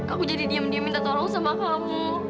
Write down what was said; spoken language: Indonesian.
aku jadi diam diam minta tolong sama kamu